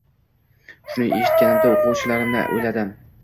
Shuni eshitganimda o‘quvchilarimni o‘yladim.